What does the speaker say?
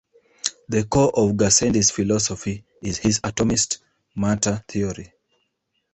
The core of Gassendi's philosophy is his atomist matter theory.